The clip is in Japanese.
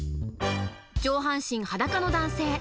上半身裸の男性。